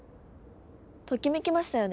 ときめきましたよね？